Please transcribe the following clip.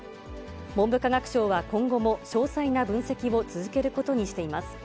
文部科学省は今後も詳細な分析を続けることにしています。